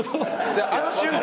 あの瞬間。